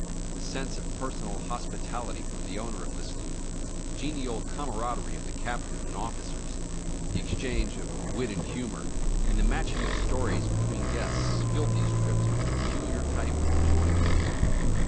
The sense of personal hospitality from the owner of the sloop, the genial cam araderie of the Captain and officers, the exchange of wit and humor and the matching of stories between guests, filled these trips with a peculiar type of enjoy ment.